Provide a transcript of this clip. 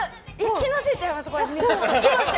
気のせいちゃいます？